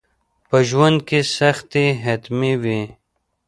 په ژوند کي سختي حتمي وي.